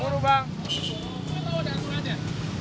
kau tahu ada aturan ya